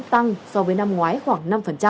tăng so với năm ngoái khoảng năm